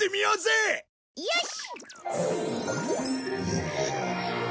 よし！